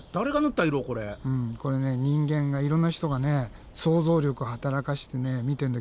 これね人間がいろんな人がね想像力を働かせてみてんだけどね